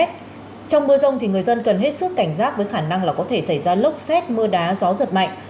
trong mưa rông thì người dân cần hết sức cảnh giác với khả năng là có thể xảy ra lốc xét mưa đá gió giật mạnh